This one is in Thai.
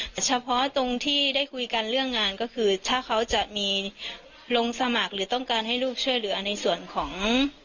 แต่เฉพาะตรงที่ได้คุยกันเรื่องงานก็คือถ้าเขาจะมีลงสมัครหรือต้องการให้ลูกช่วยเหลือในส่วนของ